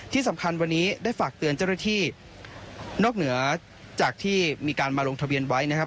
ที่สำคัญวันนี้ได้ฝากเตือนเจ้าหน้าที่นอกเหนือจากที่มีการมาลงทะเบียนไว้นะครับ